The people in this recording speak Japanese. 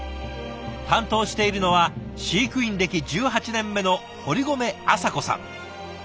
担当しているのは飼育員歴１８年目の堀籠麻子さん。